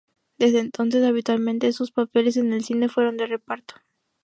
Desde entonces, habitualmente sus papeles en el cine fueron de reparto.